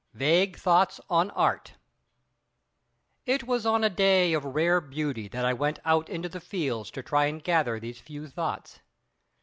VAGUE THOUGHTS ON ART It was on a day of rare beauty that I went out into the fields to try and gather these few thoughts.